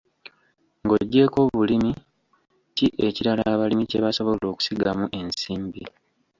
Ng'oggyeko obulimi, ki ekirala abalimi kye basobola okusigamu ensimbi?